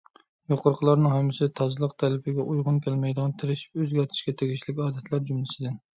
يۇقىرىقىلارنىڭ ھەممىسى تازىلىق تەلىپىگە ئۇيغۇن كەلمەيدىغان، تىرىشىپ ئۆزگەرتىشكە تېگىشلىك ئادەتلەر جۈملىسىدىن.